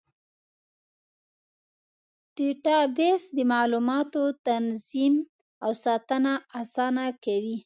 ډیټابیس د معلوماتو تنظیم او ساتنه اسانه کوي.